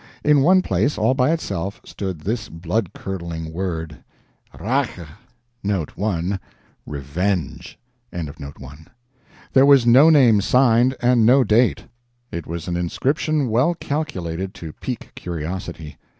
In one place, all by itself, stood this blood curdling word: "Rache!" 1. "Revenge!" There was no name signed, and no date. It was an inscription well calculated to pique curiosity.